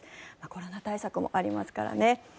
コロナ対策もありますからね。